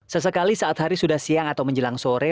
sesekali saat hari sudah siang atau menjelang sore